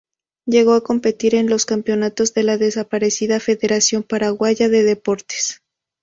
Llegó a competir en los campeonatos de la desaparecida Federación Paraguaya de Deportes.